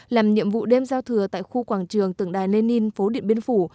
làm nhiệm vụ đêm giao thừa tại khu quảng trường tường đài lê ninh phố điện biên phủ